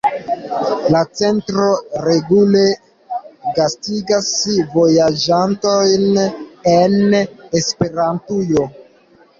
La centro regule gastigas vojaĝantojn en Esperantujo.